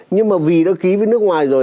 nhưng mà vì nó ký với nước ngoài rồi